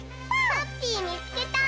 ハッピーみつけた！